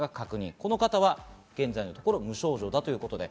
この方は現在、無症状だということです。